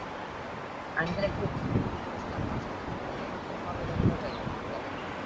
অঙ্কের একটা মডেল তৈরি করছিলাম, মাঝখানে তুমি এলে মানে সব এলোমেলো হয়ে গেল।